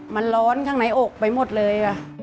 มันร้อนข้างในอกไปหมดเลย